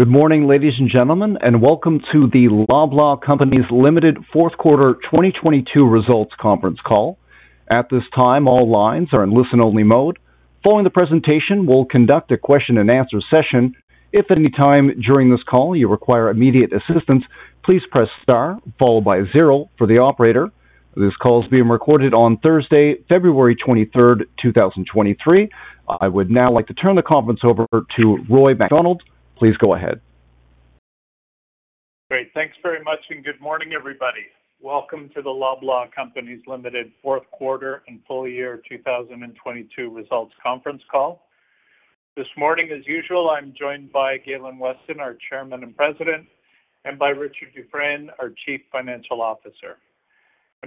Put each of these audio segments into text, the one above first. Good morning, ladies and gentlemen, welcome to the Loblaw Companies Limited fourth quarter 2022 results conference call. At this time, all lines are in listen-only mode. Following the presentation, we'll conduct a question-and-answer session. If any time during this call you require immediate assistance, please press star followed by zero for the operator. This call is being recorded on Thursday, February 23rd, 2023. I would now like to turn the conference over to Roy MacDonald. Please go ahead. Great. Thanks very much. Good morning, everybody. Welcome to the Loblaw Companies Limited fourth quarter and full year 2022 results conference call. This morning as usual, I'm joined by Galen Weston, our Chairman and President, and by Richard Dufresne, our Chief Financial Officer.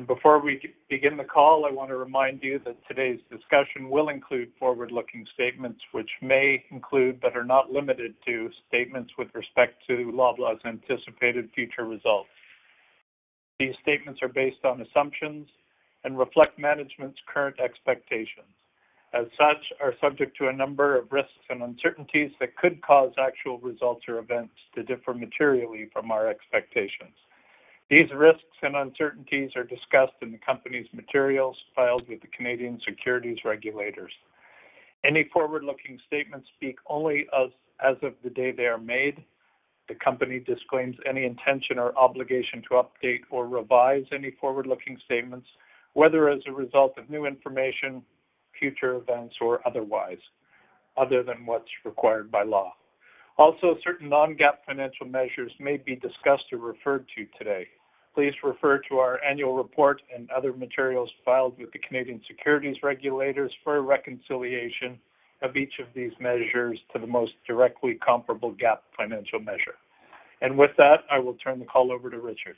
Before we begin the call, I want to remind you that today's discussion will include forward-looking statements which may include, but are not limited to, statements with respect to Loblaw's anticipated future results. These statements are based on assumptions and reflect management's current expectations, as such, are subject to a number of risks and uncertainties that could cause actual results or events to differ materially from our expectations. These risks and uncertainties are discussed in the company's materials filed with the Canadian Securities Regulators. Any forward-looking statements speak only as of the day they are made. The company disclaims any intention or obligation to update or revise any forward-looking statements, whether as a result of new information, future events, or otherwise, other than what's required by law. Certain non-GAAP financial measures may be discussed or referred to today. Please refer to our annual report and other materials filed with the Canadian securities regulators for a reconciliation of each of these measures to the most directly comparable GAAP financial measure. With that, I will turn the call over to Richard.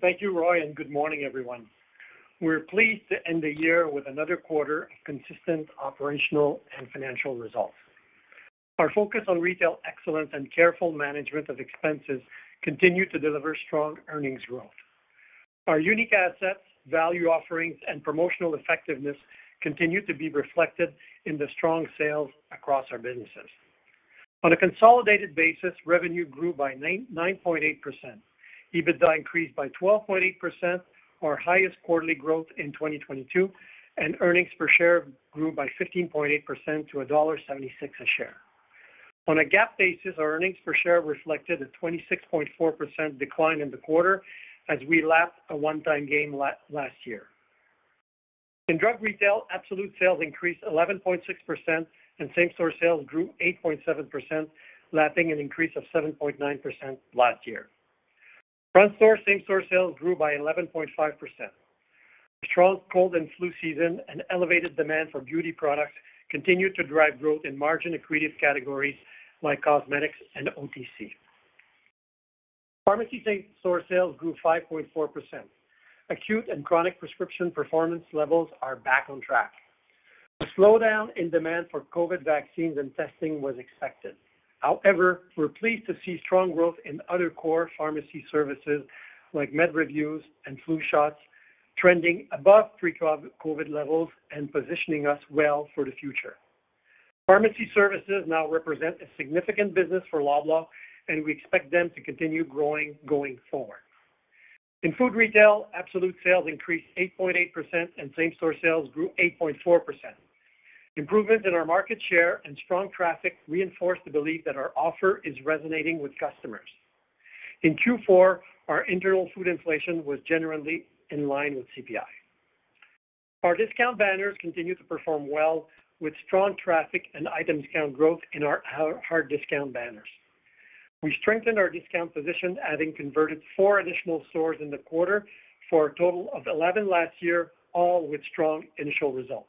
Thank you, Roy. Good morning, everyone. We're pleased to end the year with another quarter of consistent operational and financial results. Our focus on retail excellence and careful management of expenses continue to deliver strong earnings growth. Our unique assets, value offerings, and promotional effectiveness continue to be reflected in the strong sales across our businesses. On a consolidated basis, revenue grew by 9.8%. EBITDA increased by 12.8%, our highest quarterly growth in 2022. Earnings per share grew by 15.8% to dollar 1.76 a share. On a GAAP basis, our earnings per share reflected a 26.4% decline in the quarter as we lapped a one-time gain last year. In drug retail, absolute sales increased 11.6%, and same-store sales grew 8.7%, lapping an increase of 7.9% last year. Front store same-store sales grew by 11.5%. A strong cold and flu season and elevated demand for beauty products continued to drive growth in margin-accretive categories like cosmetics and OTC. Pharmacy same-store sales grew 5.4%. Acute and chronic prescription performance levels are back on track. A slowdown in demand for COVID vaccines and testing was expected. However, we're pleased to see strong growth in other core pharmacy services like med reviews and flu shots, trending above pre-COVID levels and positioning us well for the future. Pharmacy services now represent a significant business for Loblaw, and we expect them to continue growing going forward. In food retail, absolute sales increased 8.8% and same-store sales grew 8.4%. Improvements in our market share and strong traffic reinforce the belief that our offer is resonating with customers. In Q4, our internal food inflation was generally in line with CPI. Our discount banners continued to perform well with strong traffic and item count growth in our hard discount banners. We strengthened our discount position, adding converted four additional stores in the quarter for a total of 11 last year, all with strong initial results.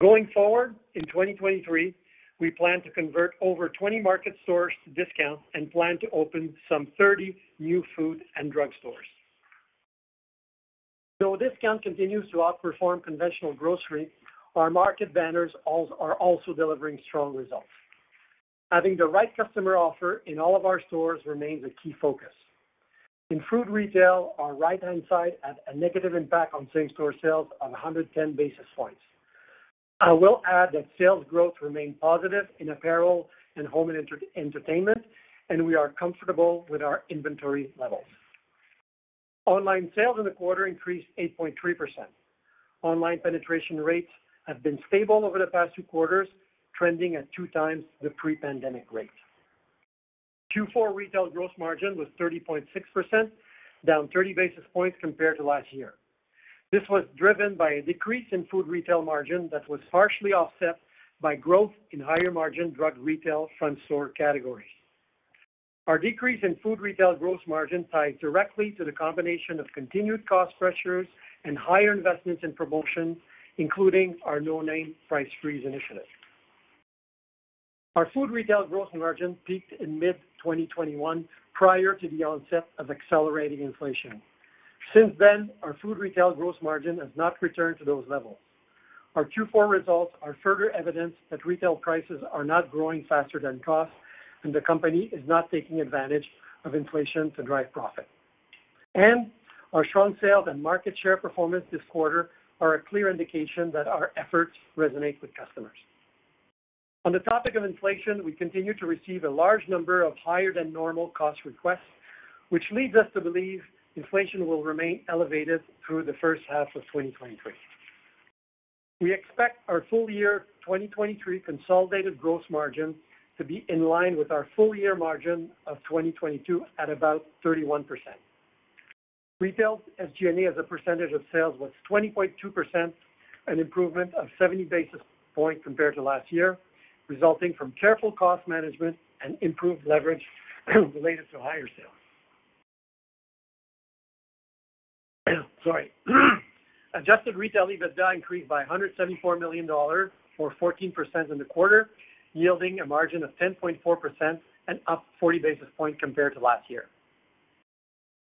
Going forward, in 2023, we plan to convert over 20 market stores to discount and plan to open some 30 new food and drug stores. Though discount continues to outperform conventional grocery, our market banners are also delivering strong results. Having the right customer offer in all of our stores remains a key focus. In food retail, our right-hand side had a negative impact on same-store sales of 110 basis points. I will add that sales growth remained positive in apparel and home and entertainment. We are comfortable with our inventory levels. Online sales in the quarter increased 8.3%. Online penetration rates have been stable over the past two quarters, trending at 2x the pre-pandemic rate. Q4 retail gross margin was 30.6%, down 30 basis points compared to last year. This was driven by a decrease in food retail margin that was partially offset by growth in higher margin drug retail front store categories. Our decrease in food retail gross margin ties directly to the combination of continued cost pressures and higher investments in promotions, including our no name Price Freeze initiative. Our food retail gross margin peaked in mid-2021 prior to the onset of accelerating inflation. Since then, our food retail gross margin has not returned to those levels. Our Q4 results are further evidence that retail prices are not growing faster than costs, and the company is not taking advantage of inflation to drive profit. Our strong sales and market share performance this quarter are a clear indication that our efforts resonate with customers. On the topic of inflation, we continue to receive a large number of higher than normal cost requests, which leads us to believe inflation will remain elevated through the first half of 2023. We expect our full year 2023 consolidated gross margin to be in line with our full year margin of 2022 at about 31%. Retail SG&A as a percentage of sales was 20.2%, an improvement of 70 basis points compared to last year, resulting from careful cost management and improved leverage related to higher sales. Sorry. Adjusted retail EBITDA increased by 174 million dollars or 14% in the quarter, yielding a margin of 10.4% and up 40 basis points compared to last year.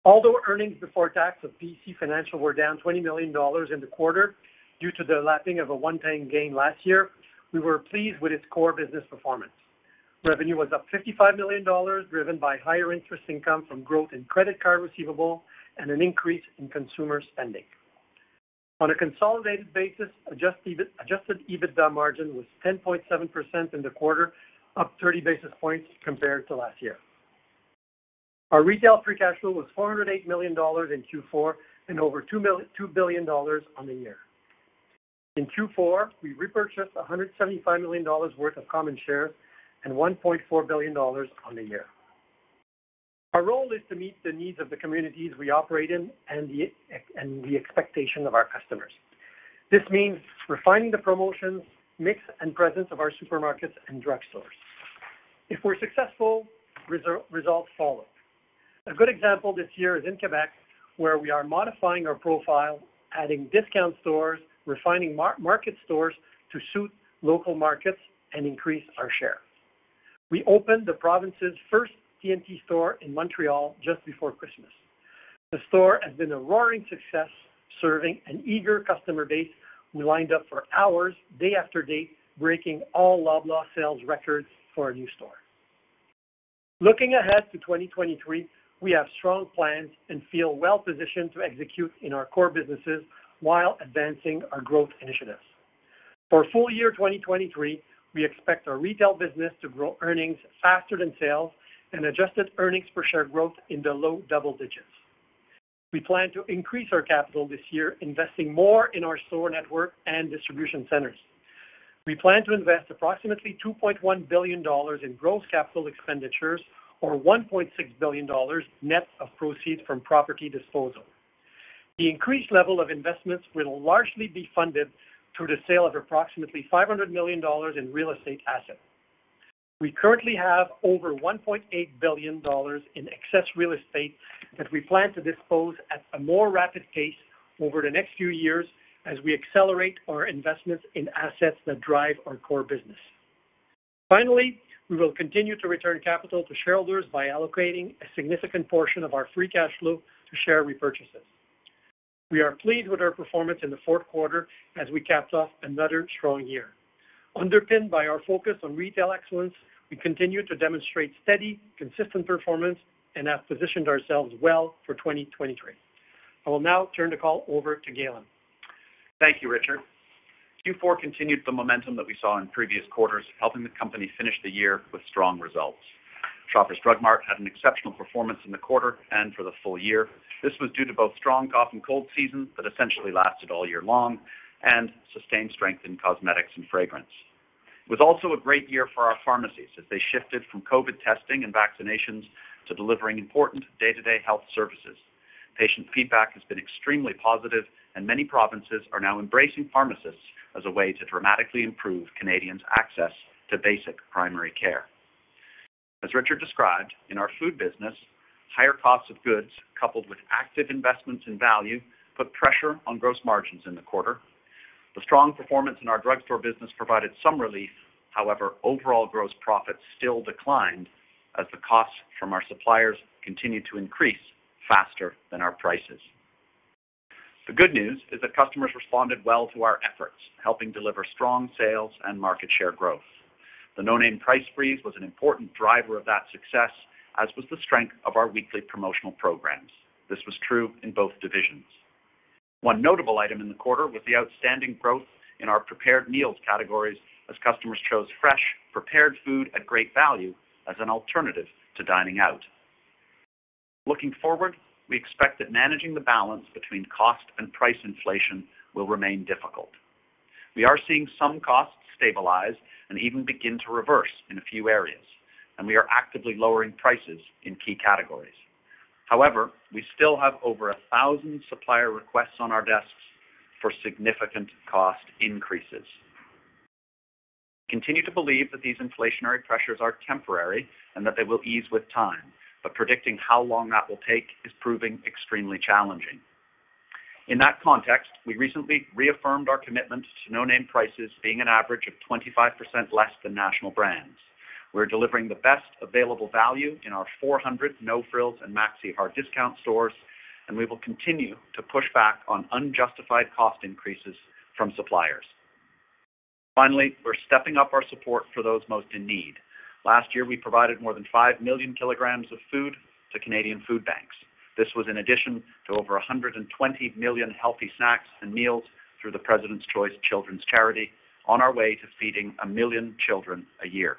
Although earnings before tax of PC Financial were down 20 million dollars in the quarter due to the lapping of a one-time gain last year, we were pleased with its core business performance. Revenue was up 55 million dollars, driven by higher interest income from growth in credit card receivable and an increase in consumer spending. On a consolidated basis, adjusted EBITDA margin was 10.7% in the quarter, up 30 basis points compared to last year. Our retail free cash flow was 408 million dollars in Q4 and over 2 billion dollars on the year. In Q4, we repurchased 175 million dollars worth of common shares and 1.4 billion dollars on the year. Our role is to meet the needs of the communities we operate in and the expectation of our customers. This means refining the promotions, mix, and presence of our supermarkets and drugstores. If we're successful, results follow. A good example this year is in Quebec, where we are modifying our profile, adding discount stores, refining market stores to suit local markets and increase our share. We opened the province's first T&T store in Montreal just before Christmas. The store has been a roaring success, serving an eager customer base who lined up for hours day after day, breaking all Loblaw sales records for a new store. Looking ahead to 2023, we have strong plans and feel well positioned to execute in our core businesses while advancing our growth initiatives. For full year 2023, we expect our retail business to grow earnings faster than sales and adjusted earnings per share growth in the low double digits. We plan to increase our capital this year, investing more in our store network and distribution centers. We plan to invest approximately 2.1 billion dollars in gross capital expenditures or 1.6 billion dollars net of proceeds from property disposal. The increased level of investments will largely be funded through the sale of approximately 500 million dollars in real estate assets. We currently have over 1.8 billion dollars in excess real estate that we plan to dispose at a more rapid pace over the next few years as we accelerate our investments in assets that drive our core business. We will continue to return capital to shareholders by allocating a significant portion of our free cash flow to share repurchases. We are pleased with our performance in the fourth quarter as we capped off another strong year. Underpinned by our focus on retail excellence, we continue to demonstrate steady, consistent performance and have positioned ourselves well for 2023. I will now turn the call over to Galen. Thank you, Richard. Q4 continued the momentum that we saw in previous quarters, helping the company finish the year with strong results. Shoppers Drug Mart had an exceptional performance in the quarter and for the full year. This was due to both strong cough and cold season that essentially lasted all year long and sustained strength in cosmetics and fragrance. It was also a great year for our pharmacies as they shifted from COVID testing and vaccinations to delivering important day-to-day health services. Patient feedback has been extremely positive and many provinces are now embracing pharmacists as a way to dramatically improve Canadians' access to basic primary care. As Richard described, in our food business, higher costs of goods coupled with active investments in value put pressure on gross margins in the quarter. The strong performance in our drugstore business provided some relief. Overall gross profits still declined as the costs from our suppliers continued to increase faster than our prices. The good news is that customers responded well to our efforts, helping deliver strong sales and market share growth. The no name Price Freeze was an important driver of that success, as was the strength of our weekly promotional programs. This was true in both divisions. One notable item in the quarter was the outstanding growth in our prepared meals categories as customers chose fresh, prepared food at great value as an alternative to dining out. Looking forward, we expect that managing the balance between cost and price inflation will remain difficult. We are seeing some costs stabilize and even begin to reverse in a few areas. We are actively lowering prices in key categories. We still have over 1,000 supplier requests on our desks for significant cost increases. Continue to believe that these inflationary pressures are temporary and that they will ease with time, but predicting how long that will take is proving extremely challenging. In that context, we recently reaffirmed our commitment to no name prices being an average of 25% less than national brands. We're delivering the best available value in our 400 No Frills and Maxi hard discount stores, and we will continue to push back on unjustified cost increases from suppliers. Finally, we're stepping up our support for those most in need. Last year, we provided more than 5 million kg of food to Canadian food banks. This was in addition to over 120 million healthy snacks and meals through the President's Choice Children's Charity on our way to feeding 1 million children a year.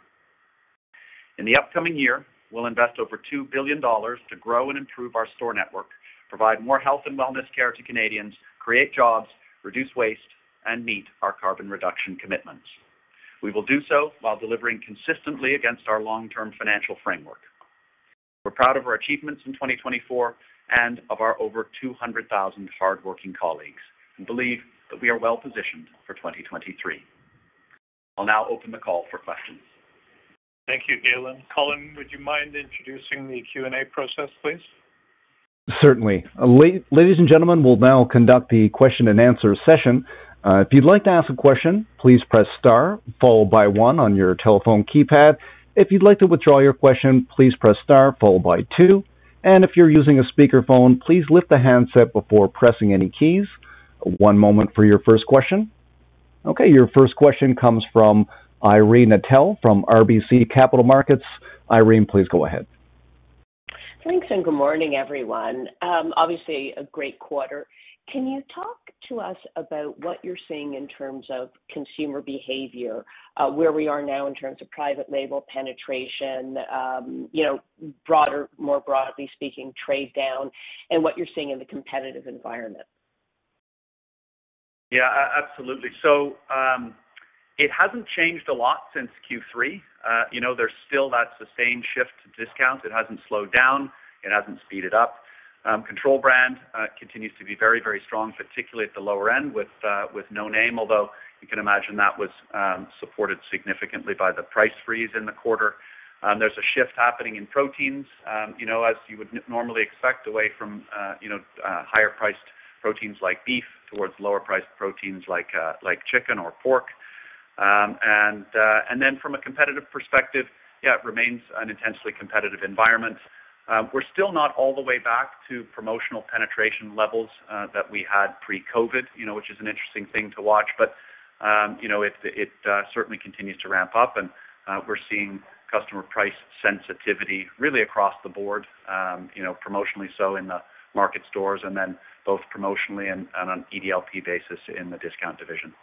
In the upcoming year, we'll invest over 2 billion dollars to grow and improve our store network, provide more health and wellness care to Canadians, create jobs, reduce waste, and meet our carbon reduction commitments. We will do so while delivering consistently against our long-term financial framework. We're proud of our achievements in 2024 and of our over 200,000 hardworking colleagues and believe that we are well-positioned for 2023. I'll now open the call for questions. Thank you, Galen. Colin, would you mind introducing the Q&A process, please? Certainly. Ladies and gentlemen, we'll now conduct the question-and-answer session. If you'd like to ask a question, please press star followed by one on your telephone keypad. If you'd like to withdraw your question, please press star followed by two. If you're using a speakerphone, please lift the handset before pressing any keys. One moment for your first question. Okay, your first question comes from Irene Nattel from RBC Capital Markets. Irene, please go ahead. Thanks. Good morning, everyone. Obviously a great quarter. Can you talk to us about what you're seeing in terms of consumer behavior, where we are now in terms of private label penetration, you know, more broadly speaking, trade down and what you're seeing in the competitive environment? Absolutely. It hasn't changed a lot since Q3. You know, there's still that sustained shift to discounts. It hasn't slowed down. It hasn't speeded up. Control brand continues to be very, very strong, particularly at the lower end with no name, although you can imagine that was supported significantly by the price freeze in the quarter. There's a shift happening in proteins, you know, as you would normally expect away from higher priced proteins like beef towards lower priced proteins like chicken or pork. From a competitive perspective, it remains an intensely competitive environment. We're still not all the way back to promotional penetration levels that we had pre-COVID, you know, which is an interesting thing to watch. You know, it certainly continues to ramp up and we're seeing customer price sensitivity really across the board, you know, promotionally so in the market stores and then both promotionally and on EDLP basis in the discount division.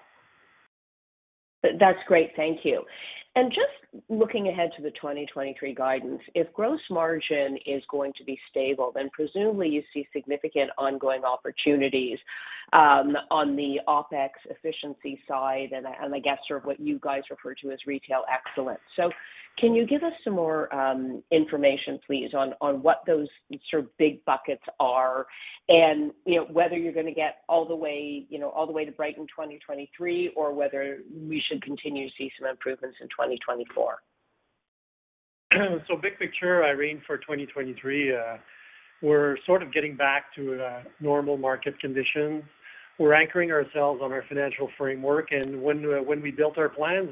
That's great. Thank you. Just looking ahead to the 2023 guidance, if gross margin is going to be stable, then presumably you see significant ongoing opportunities on the OpEx efficiency side and I guess sort of what you guys refer to as retail excellence. Can you give us some more information, please, on what those sort of big buckets are and, you know, whether you're gonna get all the way to Brighton 2023 or whether we should continue to see some improvements in 2024? Big picture, Irene, for 2023, we're sort of getting back to normal market conditions. We're anchoring ourselves on our financial framework. When we built our plans,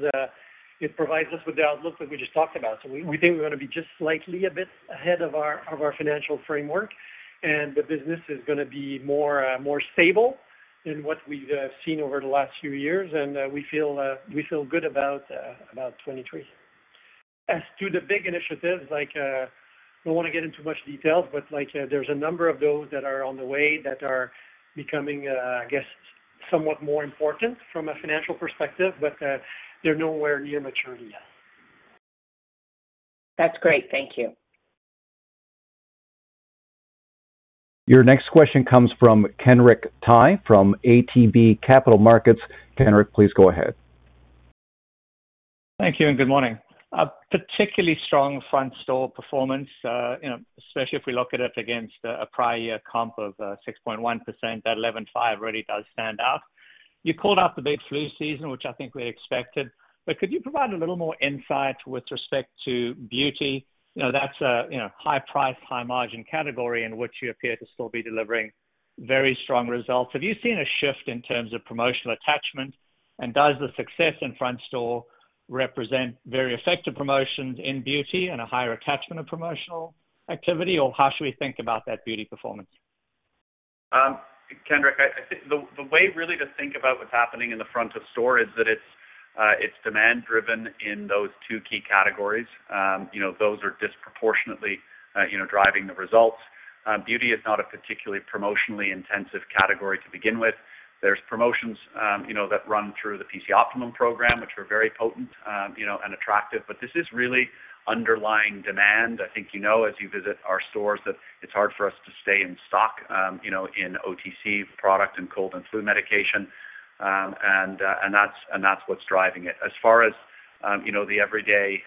it provides us with the outlook that we just talked about. We think we're gonna be just slightly a bit ahead of our financial framework, and the business is gonna be more stable than what we've seen over the last few years. We feel good about 23. As to the big initiatives, like, don't wanna get into much details, but, like, there's a number of those that are on the way that are becoming, I guess somewhat more important from a financial perspective, but, they're nowhere near maturity yet. That's great. Thank you. Your next question comes from Kenric Tyghe, from ATB Capital Markets. Kenric, please go ahead. Thank you and good morning. A particularly strong front store performance, you know, especially if we look at it against a prior year comp of 6.1%, that 11.5% really does stand out. You called out the big flu season, which I think we expected. Could you provide a little more insight with respect to beauty? You know, that's a, you know, high price, high margin category in which you appear to still be delivering very strong results. Have you seen a shift in terms of promotional attachment? Does the success in front store represent very effective promotions in beauty and a higher attachment of promotional activity, or how should we think about that beauty performance? Kenric, I think the way really to think about what's happening in the front of store is that it's demand driven in those two key categories. You know, those are disproportionately, you know, driving the results. Beauty is not a particularly promotionally intensive category to begin with. There's promotions, you know, that run through the PC Optimum program, which are very potent, you know, and attractive. This is really underlying demand. I think you know, as you visit our stores, that it's hard for us to stay in stock, you know, in OTC product and cold and flu medication. That's what's driving it. As far as, you know, the everyday,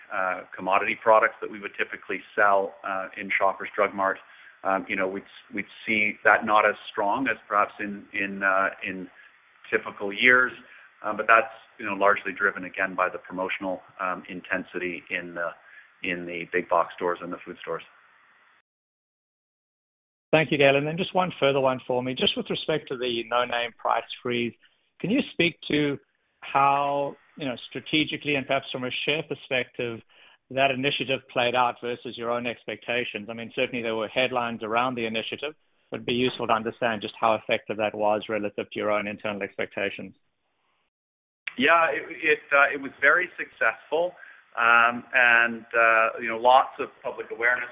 commodity products that we would typically sell, in Shoppers Drug Mart, you know, we'd see that not as strong as perhaps in typical years. That's, you know, largely driven, again, by the promotional, intensity in the big box stores and the food stores. Thank you, Galen. Just one further one for me. Just with respect to the no name Price Freeze, can you speak to how, you know, strategically and perhaps from a share perspective, that initiative played out versus your own expectations? I mean, certainly there were headlines around the initiative. It would be useful to understand just how effective that was relative to your own internal expectations. Yeah, it was very successful. Lots of public awareness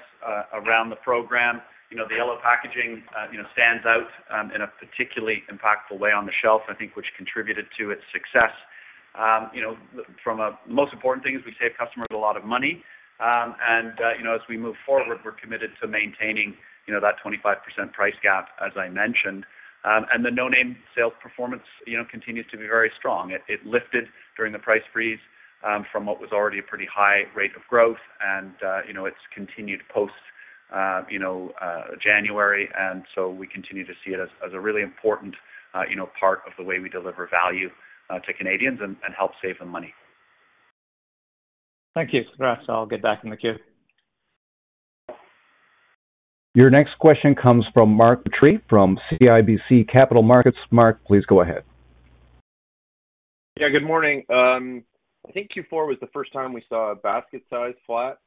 around the program. You know, the yellow packaging, you know, stands out in a particularly impactful way on the shelf, I think, which contributed to its success. Most important thing is we save customers a lot of money. As we move forward, we're committed to maintaining, you know, that 25% price gap, as I mentioned. The no name sales performance, you know, continues to be very strong. It lifted during the no name Price Freeze from what was already a pretty high rate of growth and, you know, it's continued post, you know, January. We continue to see it as a really important, you know, part of the way we deliver value to Canadians and help save them money. Thank you. I'll get back in the queue. Your next question comes from Mark Petrie from CIBC Capital Markets. Mark, please go ahead. Yeah, good morning. I think Q4 was the first time we saw a basket size flat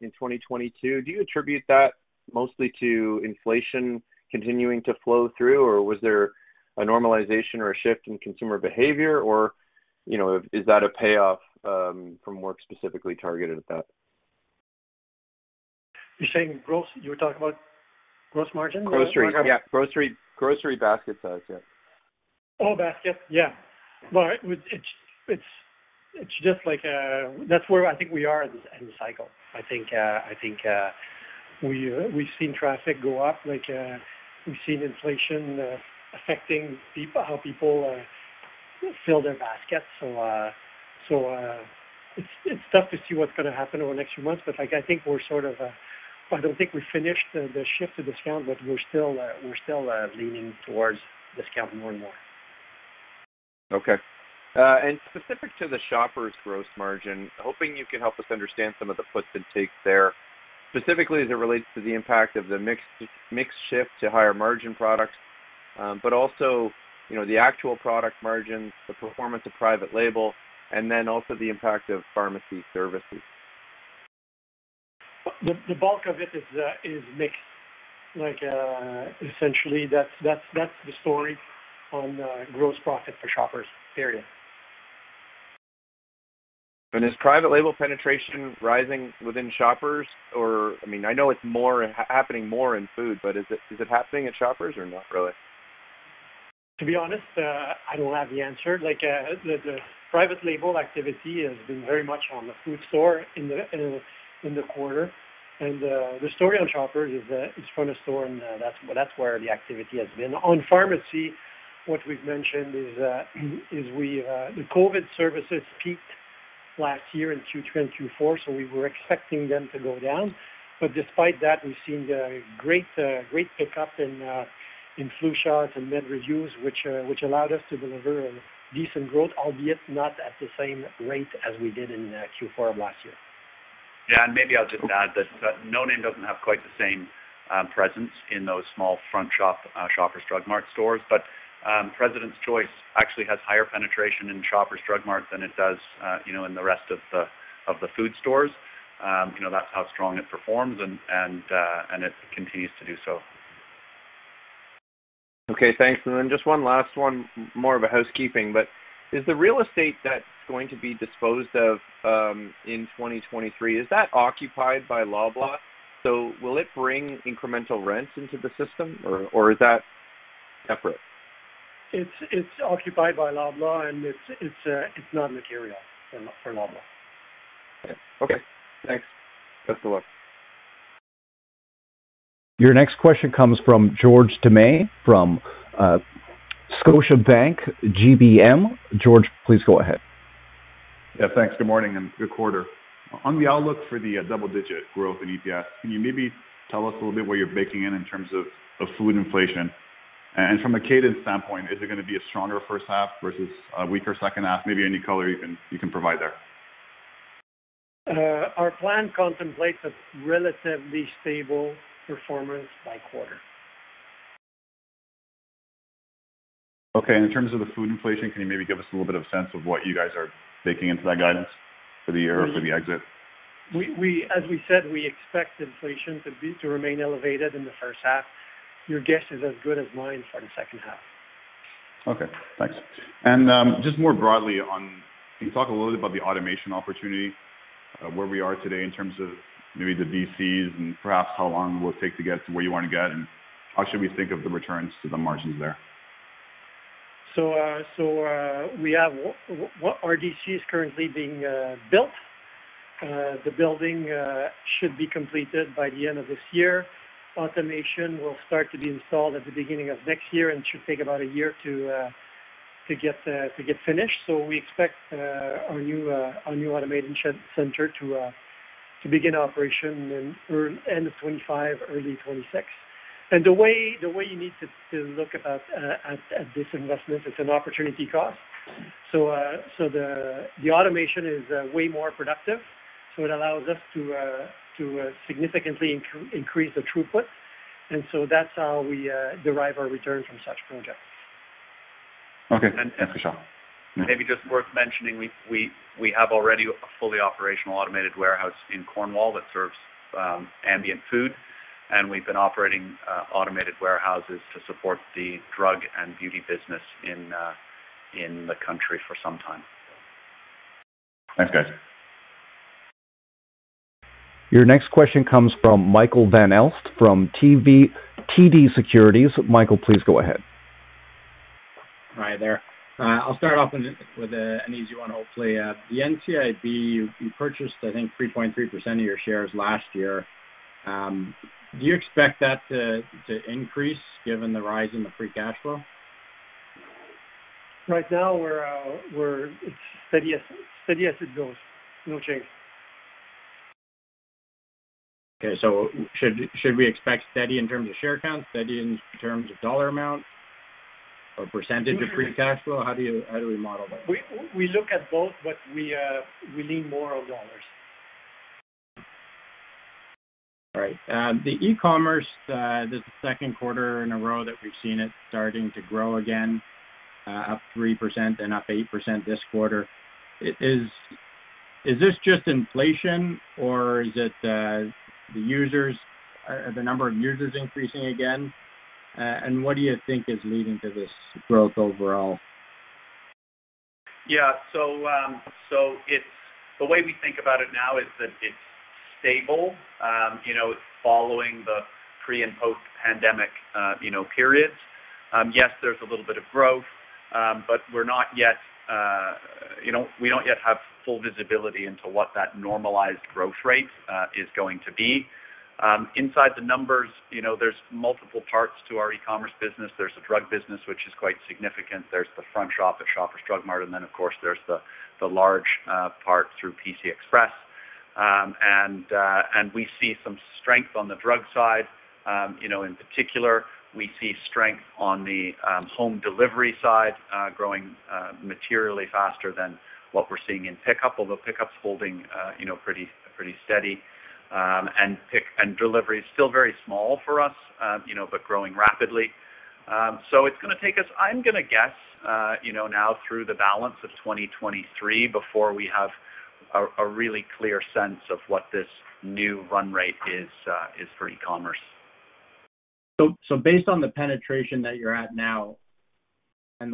in 2022. Do you attribute that mostly to inflation continuing to flow through, or was there a normalization or a shift in consumer behavior? you know, is that a payoff from work specifically targeted at that? You were talking about gross margin? Grocery, yeah. Grocery, grocery basket size, yeah. Oh, basket, yeah. Well, it's just like, that's where I think we are in this end cycle. I think, we've seen traffic go up like, we've seen inflation, affecting people, how people, fill their baskets. It's tough to see what's gonna happen over the next few months. Like, I think we're sort of, I don't think we finished the shift to discount, but we're still, leaning towards discount more and more. Okay. Specific to the Shoppers' gross margin, hoping you can help us understand some of the puts and takes there, specifically as it relates to the impact of the mix shift to higher margin products, you know, the actual product margins, the performance of private label, and then also the impact of pharmacy services. The bulk of it is mix. Like, essentially, that's the story on gross profit for shoppers, period. Is private label penetration rising within Shoppers Drug Mart? I mean, I know it's more, happening more in food, but is it happening at Shoppers Drug Mart or not really? To be honest, I don't have the answer. Like, the private label activity has been very much on the food store in the quarter. The story on shoppers is that it's front of store and that's where the activity has been. On pharmacy, what we've mentioned is we the COVID services peaked last year in Q2 and Q4, we were expecting them to go down. Despite that, we've seen a great pickup in flu shots and med reviews, which allowed us to deliver a decent growth, albeit not at the same rate as we did in Q4 of last year. Maybe I'll just add that no name doesn't have quite the same presence in those small front shop Shoppers Drug Mart stores. President's Choice actually has higher penetration in Shoppers Drug Mart than it does, you know, in the rest of the food stores. You know, that's how strong it performs and it continues to do so. Okay, thanks. Just one last one, more of a housekeeping, but is the real estate that's going to be disposed of, in 2023, is that occupied by Loblaw? Will it bring incremental rents into the system or is that separate? It's occupied by Loblaw, and it's not material for Loblaw. Okay, thanks. Best of luck. Your next question comes from George Doumet from Scotiabank GBM. George, please go ahead. Yeah, thanks. Good morning and good quarter. On the outlook for the double-digit growth in EPS, can you maybe tell us a little bit what you're baking in in terms of food inflation? From a cadence standpoint, is it gonna be a stronger first half versus a weaker second half? Maybe any color you can provide there. Our plan contemplates a relatively stable performance by quarter. Okay. In terms of the food inflation, can you maybe give us a little bit of a sense of what you guys are baking into that guidance for the year or for the exit? We as we said, we expect inflation to be, to remain elevated in the first half. Your guess is as good as mine for the second half. Okay, thanks. Just more broadly on, can you talk a little bit about the automation opportunity, where we are today in terms of maybe the DCs and perhaps how long will it take to get to where you want to get, and how should we think of the returns to the margins there? We have our DC is currently being built. The building should be completed by the end of this year. Automation will start to be installed at the beginning of next year, and it should take about a year to get finished. We expect our new automated center to begin operation in, or end of 2025, early 2026. The way you need to look at this investment, it's an opportunity cost. The automation is way more productive, so it allows us to significantly increase the throughput. That's how we derive our return from such projects. Okay. Thanks, Michel. Maybe just worth mentioning, we have already a fully operational automated warehouse in Cornwall that serves ambient food and we've been operating automated warehouses to support the drug and beauty business in the country for some time. Thanks, guys. Your next question comes from Michael Van Aelst from TD Securities. Michael, please go ahead. Hi there. I'll start off with an easy one, hopefully. The NCIB, you purchased, I think, 3.3% of your shares last year. Do you expect that to increase given the rise in the free cash flow? Right now it's steady as it goes. No change. Okay. Should we expect steady in terms of share count? Steady in terms of dollar amount or percentage of free cash flow? How do we model that? We look at both, but we lean more on dollars. All right. The e-commerce, this is the second quarter in a row that we've seen it starting to grow again, up 3% and up 8% this quarter. Is this just inflation or is it the users, the number of users increasing again? What do you think is leading to this growth overall? Yeah. The way we think about it now is that it's stable. You know, following the pre and post-pandemic, you know, periods. Yes, there's a little bit of growth, we're not yet, you know, we don't yet have full visibility into what that normalized growth rate is going to be. Inside the numbers, you know, there's multiple parts to our e-commerce business. There's the drug business, which is quite significant. There's the front shop at Shoppers Drug Mart, and then of course there's the large part through PC Express. We see some strength on the drug side. You know, in particular, we see strength on the home delivery side, growing materially faster than what we're seeing in pickup. Although pickup's holding, you know, pretty steady. Pick and delivery is still very small for us, you know, but growing rapidly. It's gonna take us, I'm gonna guess, you know, now through the balance of 2023 before we have a really clear sense of what this new run rate is for e-commerce. Based on the penetration that you're at now and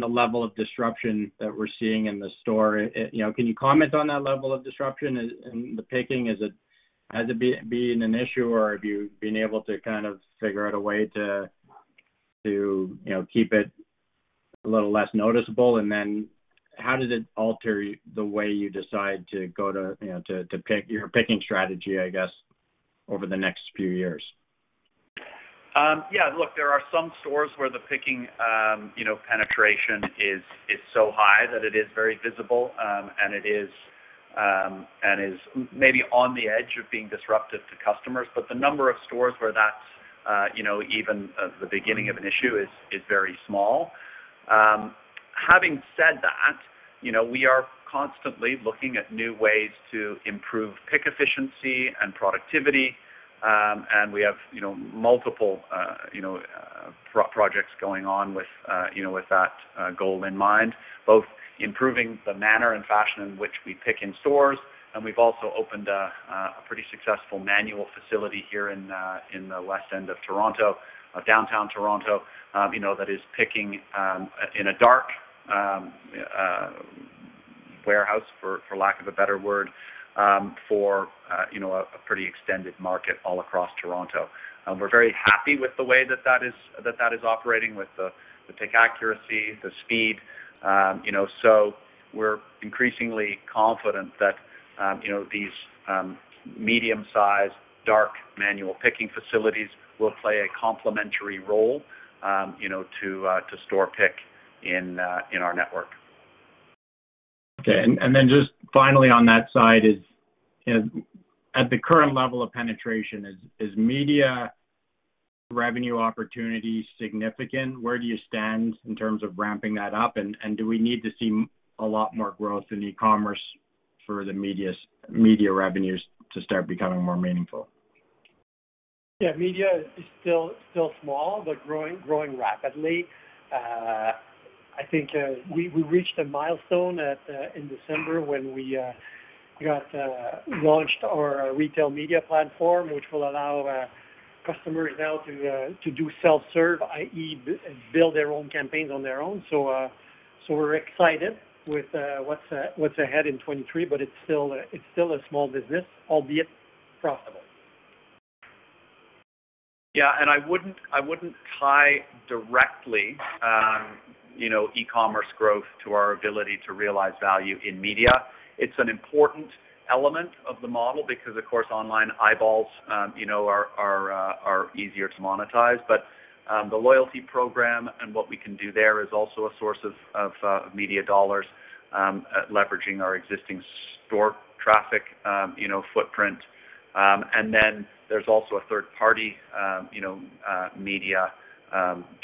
the level of disruption that we're seeing in the store, you know, can you comment on that level of disruption and the picking? Has it been an issue or have you been able to kind of figure out a way to, you know, keep it a little less noticeable? How does it alter the way you decide to go to, you know, to pick your picking strategy, I guess, over the next few years? Yeah, look, there are some stores where the picking, you know, penetration is so high that it is very visible, and it is maybe on the edge of being disruptive to customers. The number of stores where that's, you know, even at the beginning of an issue is very small. Having said that, you know, we are constantly looking at new ways to improve pick efficiency and productivity. We have, you know, multiple, you know, pro-projects going on with, you know, with that goal in mind. Both improving the manner and fashion in which we pick in stores, and we've also opened a pretty successful manual facility here in the West End of Toronto, downtown Toronto, you know, that is picking in a dark warehouse, for lack of a better word, for you know, a pretty extended market all across Toronto. We're very happy with the way that is operating with the pick accuracy, the speed. We're increasingly confident that, you know, these medium-sized, dark, manual picking facilities will play a complementary role, you know, to store pick in our network. Okay. Then just finally on that side is at the current level of penetration, is media revenue opportunity significant? Where do you stand in terms of ramping that up? Do we need to see a lot more growth in e-commerce for the media revenues to start becoming more meaningful? Yeah. Media is still small, but growing rapidly. I think we reached a milestone in December when we got launched our retail media platform, which will allow customers now to do self-serve, i.e., build their own campaigns on their own. We're excited with what's ahead in 2023, but it's still a small business, albeit profitable. Yeah. I wouldn't tie directly, you know, e-commerce growth to our ability to realize value in media. It's an important element of the model because of course, online eyeballs, you know, are easier to monetize. The loyalty program and what we can do there is also a source of media dollars, leveraging our existing store traffic, you know, footprint. There's also a third party, you know, media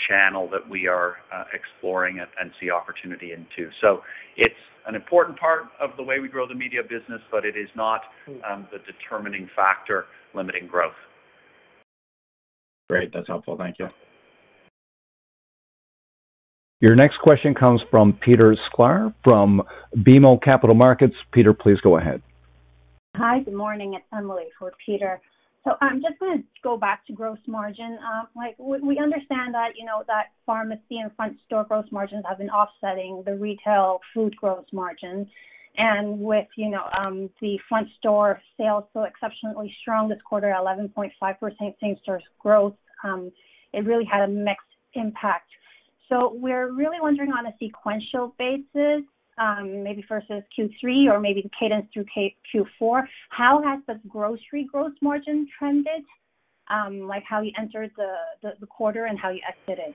channel that we are exploring and see opportunity into. It's an important part of the way we grow the media business, but it is not the determining factor limiting growth. Great. That's helpful. Thank you. Your next question comes from Peter Sklar from BMO Capital Market. Peter, please go ahead. Hi, good morning. It's Emily for Peter. I'm just gonna go back to gross margin. Like we understand that, you know, that pharmacy and front store gross margins have been offsetting the retail food gross margin. With, you know, the front store sales so exceptionally strong this quarter, 11.5% same-store growth, it really had a mixed impact. We're really wondering on a sequential basis, maybe versus Q3 or maybe the cadence through Q4, how has the grocery gross margin trended, like how you entered the quarter and how you exited?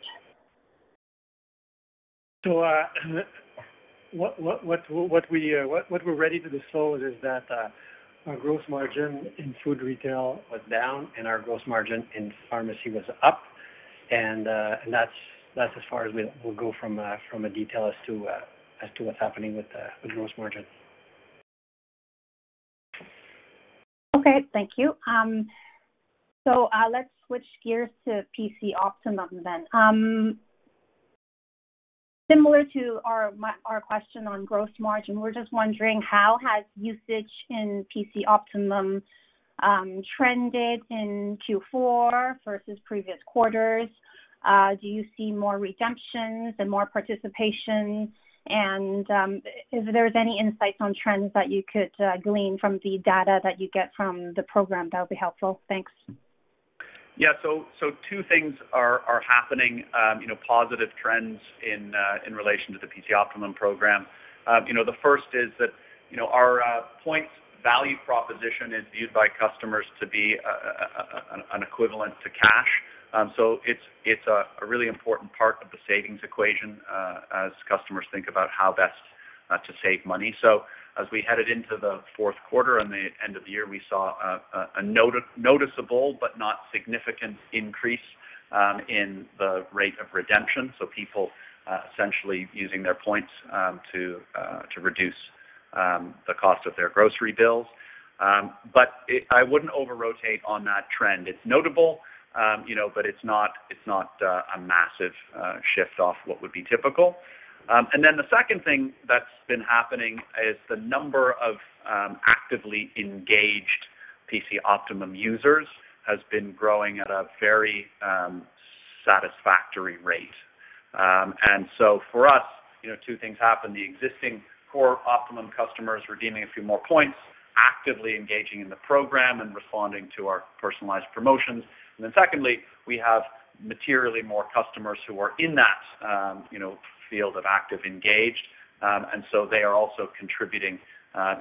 What we're ready to disclose is that our gross margin in food retail was down, and our gross margin in pharmacy was up. That's as far as we'll go from a detail as to what's happening with the gross margin. Okay, thank you. Let's switch gears to PC Optimum then. Similar to our question on gross margin, we're just wondering how has usage in PC Optimum trended in Q4 versus previous quarters? Do you see more redemptions and more participation? If there's any insights on trends that you could glean from the data that you get from the program that would be helpful. Thanks. Yeah. Two things are happening, positive trends in relation to the PC Optimum program. The first is that our points value proposition is viewed by customers to be an equivalent to cash. It's a really important part of the savings equation as customers think about how best to save money. As we headed into the fourth quarter and the end of the year, we saw a noticeable but not significant increase in the rate of redemption. People essentially using their points to reduce the cost of their grocery bills. I wouldn't over-rotate on that trend. It's notable, you know, but it's not a massive shift off what would be typical. The second thing that's been happening is the number of actively engaged PC Optimum users has been growing at a very satisfactory rate. For us, you know, two things happen, the existing core Optimum customers redeeming a few more points, actively engaging in the program and responding to our personalized promotions. Secondly, we have materially more customers who are in that, you know, field of active, engaged. They are also contributing,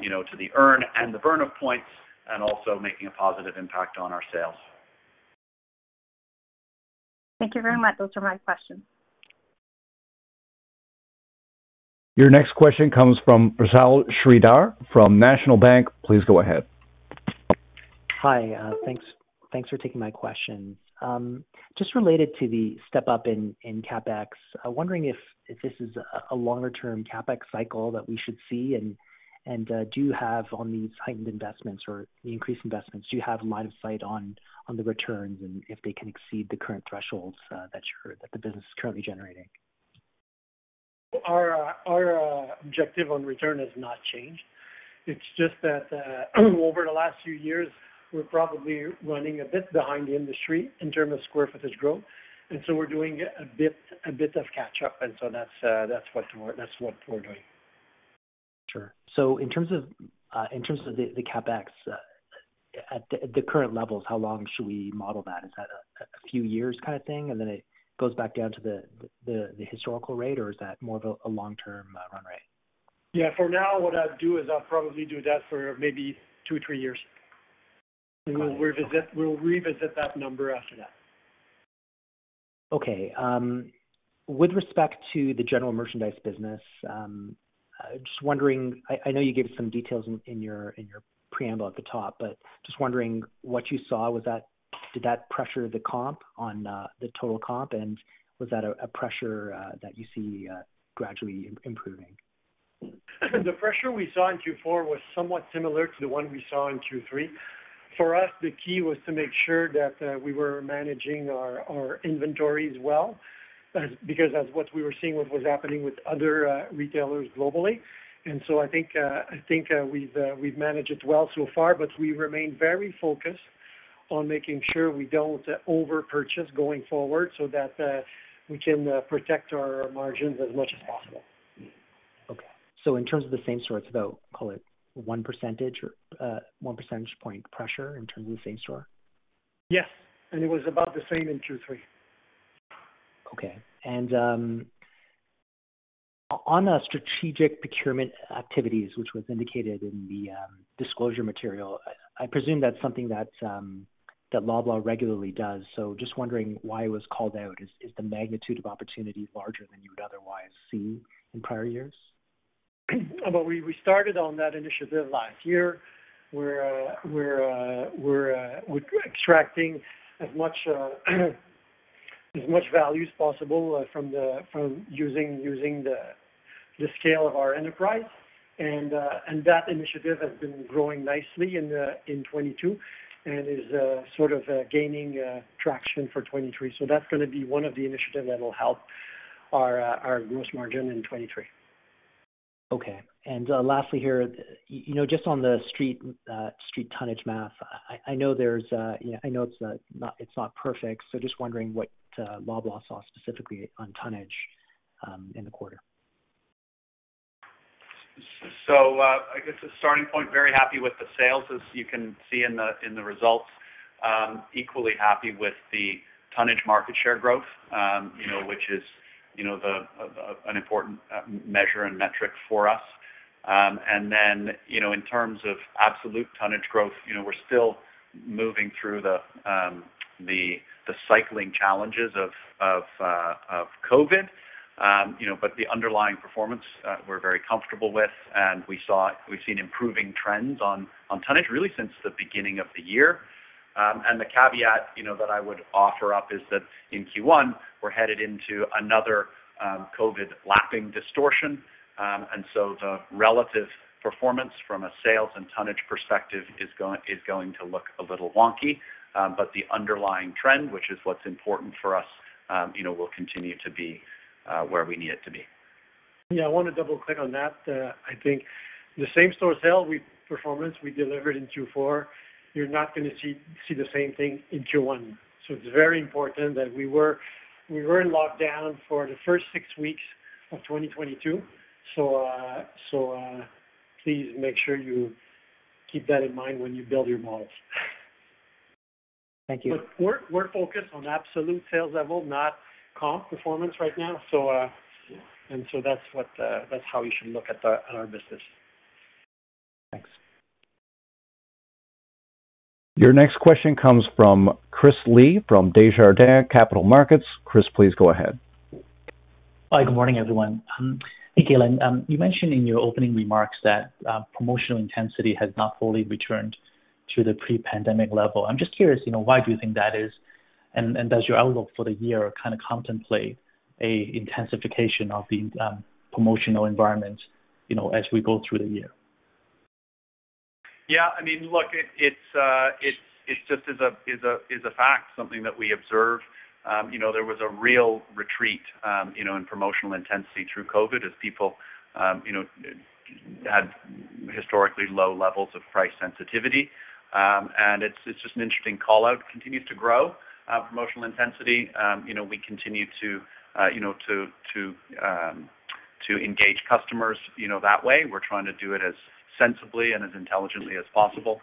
you know, to the earn and the burn of points, and also making a positive impact on our sales. Thank you very much. Those are my questions. Your next question comes from Vishal Shreedhar from National Bank. Please go ahead. Hi, thanks. Thanks for taking my questions. Just related to the step-up in CapEx. I'm wondering if this is a longer-term CapEx cycle that we should see and do you have on these heightened investments or the increased investments, do you heve a line of sight on the returns and if they can exceed the current thresholds that the business is currently generating? Our objective on return has not changed. It's just that, over the last few years, we're probably running a bit behind the industry in terms of square footage growth, we're doing a bit of catch-up, that's what we're doing. Sure. In terms of, in terms of the CapEx, at the, at the current levels, how long should we model that? Is that a few years kind of thing, and then it goes back down to the historical rate, or is that more of a long-term, run rate? Yeah, for now, what I'd do is I'll probably do that for maybe 2 or 3 years. We'll revisit that number after that. Okay. With respect to the general merchandise business, just wondering, I know you gave some details in your preamble at the top, but just wondering what you saw, did that pressure the comp on the total comp and was that a pressure that you see gradually improving? The pressure we saw in Q4 was somewhat similar to the one we saw in Q3. For us, the key was to make sure that we were managing our inventories well, because that's what we were seeing what was happening with other retailers globally. I think, I think, we've managed it well so far, but we remain very focused on making sure we don't over-purchase going forward so that we can protect our margins as much as possible. Okay. in terms of the same store, it's about, call it 1 percentage or 1 percentage point pressure in terms of same store? Yes. It was about the same in Q3. Okay. On the strategic procurement activities, which was indicated in the disclosure material, I presume that's something that Loblaw regularly does. Just wondering why it was called out. Is the magnitude of opportunity larger than you would otherwise see in prior years? Well, we started on that initiative last year. We're extracting as much value as possible from the scale of our enterprise. That initiative has been growing nicely in 2022 and is sort of gaining traction for 2023. That's gonna be one of the initiatives that will help our gross margin in 2023. Okay. Lastly here, you know, just on the street tonnage math, I know there's, you know, I know it's not, it's not perfect, so just wondering what Loblaw saw specifically on tonnage in the quarter? I guess the starting point, very happy with the sales, as you can see in the results. Equally happy with the tonnage market share growth, you know, which is, you know, an important measure and metric for us. In terms of absolute tonnage growth, you know, we're still moving through the cycling challenges of COVID. You know, the underlying performance we're very comfortable with, and we've seen improving trends on tonnage really since the beginning of the year. The caveat, you know, that I would offer up is that in Q1, we're headed into another COVID lapping distortion. The relative performance from a sales and tonnage perspective is going to look a little wonky. The underlying trend, which is what's important for us, you know, will continue to be, where we need it to be. Yeah, I wanna double-click on that. I think the same store sale performance we delivered in Q4, you're not gonna see the same thing in Q1. It's very important that we were in lockdown for the first six weeks of 2022. Please make sure you keep that in mind when you build your models. Thank you. We're focused on absolute sales level, not comp performance right now. That's what, that's how you should look at our, at our business. Thanks. Your next question comes from Chris Li from Desjardins Capital Markets. Chris, please go ahead. Hi, good morning, everyone. Hey, Galen, you mentioned in your opening remarks that promotional intensity has not fully returned to the pre-pandemic level. I'm just curious, you know, why do you think that is? Does your outlook for the year kind of contemplate a intensification of the promotional environment, you know, as we go through the year? Yeah. I mean, look, it's, it just is a fact, something that we observed. You know, there was a real retreat, you know, in promotional intensity through COVID as people, you know, had historically low levels of price sensitivity. It's just an interesting call-out. Continues to grow, promotional intensity. You know, we continue to, you know, to engage customers, you know, that way. We're trying to do it as sensibly and as intelligently as possible.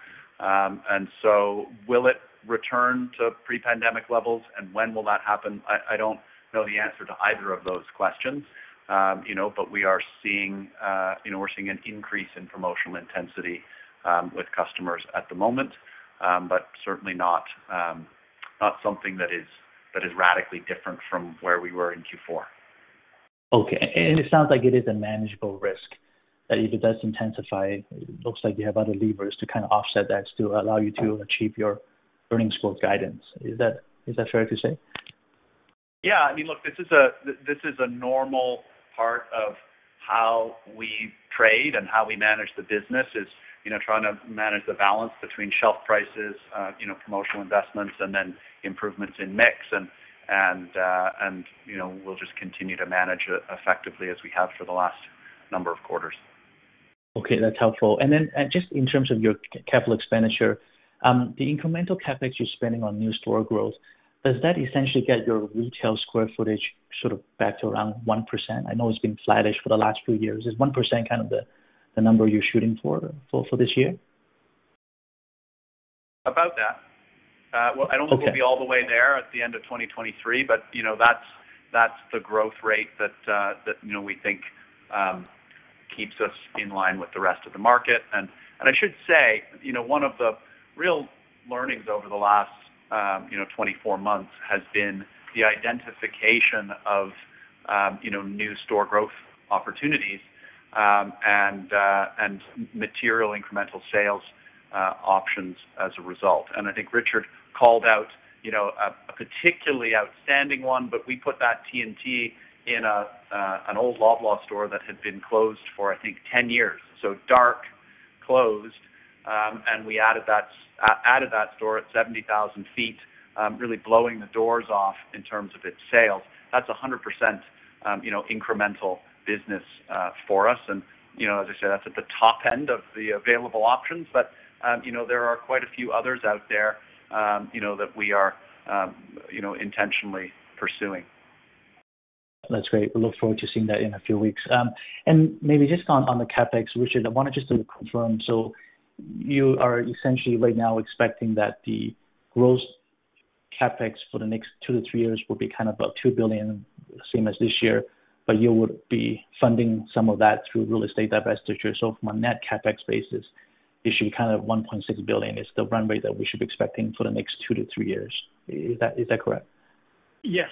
Will it return to pre-pandemic levels, and when will that happen? I don't know the answer to either of those questions. You know, we are seeing, you know, we're seeing an increase in promotional intensity with customers at the moment. Certainly not something that is, that is radically different from where we were in Q4. Okay. It sounds like it is a manageable risk that if it does intensify, it looks like you have other levers to kind of offset that to allow you to achieve your earnings growth guidance. Is that fair to say? Yeah. I mean, look, this is a normal part of how we trade and how we manage the business is, you know, trying to manage the balance between shelf prices, you know, promotional investments, and then improvements in mix and, you know, we'll just continue to manage it effectively as we have for the last number of quarters. Okay, that's helpful. Just in terms of your capital expenditure, the incremental CapEx you're spending on new store growth, does that essentially get your retail square footage sort of back to around 1%? I know it's been flattish for the last few years. Is 1% kind of the number you're shooting for this year? About that. Well, I don't. Okay. we'll be all the way there at the end of 2023, but, you know, that's the growth rate that, you know, we think, keeps us in line with the rest of the market. I should say, you know, one of the real learnings over the last, you know, 24 months has been the identification of, you know, new store growth opportunities, and material incremental sales, options as a result. I think Richard called out, you know, a particularly outstanding one, but we put that T&T in an old Loblaw store that had been closed for, I think, 10 years. Dark, closed, and we added that store at 70,000 feet, really blowing the doors off in terms of its sales. That's 100%, you know, incremental business for us. You know, as I said, that's at the top end of the available options. You know, there are quite a few others out there, you know, that we are, you know, intentionally pursuing. That's great. We look forward to seeing that in a few weeks. Maybe just on the CapEx, Richard, I wanted just to confirm. You are essentially right now expecting that the gross CapEx for the next two to three years will be kind of about 2 billion, same as this year, but you would be funding some of that through real estate divestiture. From a net CapEx basis, it should be kind of 1.6 billion is the runway that we should be expecting for the next two to three years. Is that, is that correct? Yes.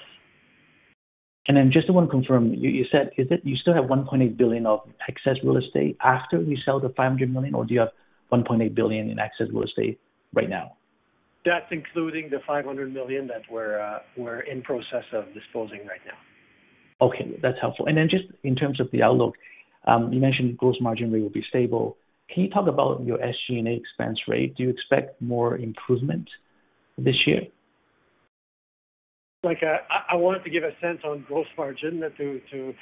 Just to want to confirm, you said, is it you still have 1.8 billion of excess real estate after you sell the 500 million, or do you have 1.8 billion in excess real estate right now? That's including the 500 million that we're in process of disposing right now. Okay, that's helpful. Just in terms of the outlook, you mentioned gross margin rate will be stable. Can you talk about your SG&A expense rate? Do you expect more improvement this year? I wanted to give a sense on gross margin to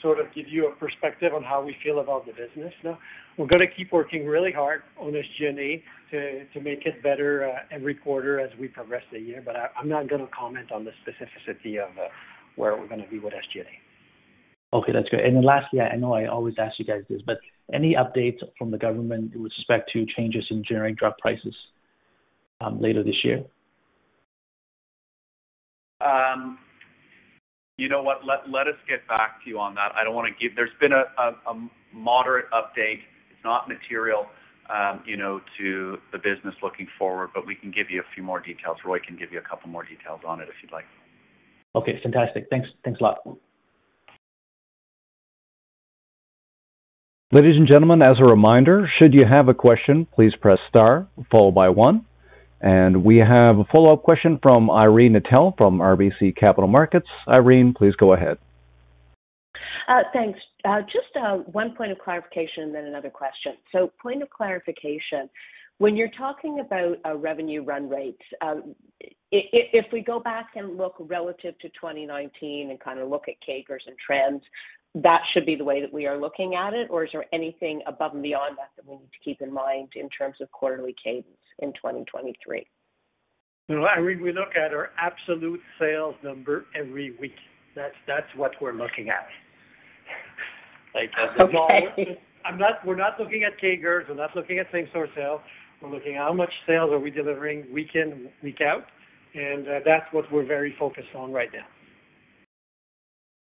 sort of give you a perspective on how we feel about the business now. We're gonna keep working really hard on SG&A to make it better every quarter as we progress the year. I'm not gonna comment on the specificity of where we're gonna be with SG&A. Okay, that's good. Lastly, I know I always ask you guys this, but any updates from the government with respect to changes in generic drug prices later this year? You know what? Let us get back to you on that. I don't wanna give... There's been a moderate update. It's not material, you know, to the business looking forward, but we can give you a few more details. Roy can give you a couple more details on it if you'd like. Okay, fantastic. Thanks. Thanks a lot. Ladies and gentlemen, as a reminder, should you have a question, please press star followed by one. We have a follow-up question from Irene Nattel from RBC Capital Markets. Irene, please go ahead. Thanks. Just 1 point of clarification and then another question. Point of clarification, when you're talking about a revenue run rate, if we go back and look relative to 2019 and kind of look at CAGRs and trends, that should be the way that we are looking at it, or is there anything above and beyond that we need to keep in mind in terms of quarterly cadence in 2023? No, Irene, we look at our absolute sales number every week. That's what we're looking at. Okay. We're not looking at CAGRs, we're not looking at same store sales. We're looking at how much sales are we delivering week in, week out, and that's what we're very focused on right now.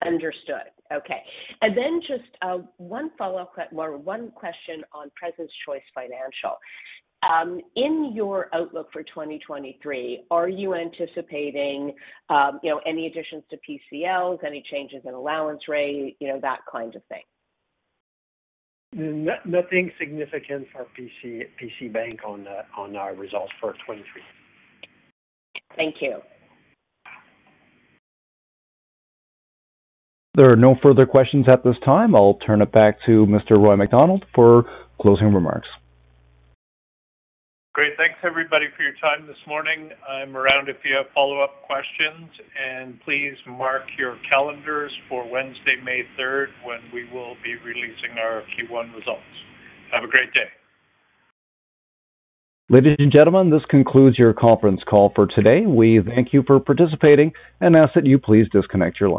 Understood. Okay. Then just one question on President's Choice Financial. In your outlook for 2023, are you anticipating, you know, any additions to PCLs, any changes in allowance rate, you know, that kind of thing? nothing significant for PC Bank on our results for 2023. Thank you. There are no further questions at this time. I'll turn it back to Mr. Roy MacDonald for closing remarks. Great. Thanks, everybody, for your time this morning. I'm around if you have follow-up questions. Please mark your calendars for Wednesday, May third, when we will be releasing our Q1 results. Have a great day. Ladies and gentlemen, this concludes your conference call for today. We thank you for participating and ask that you please disconnect your lines.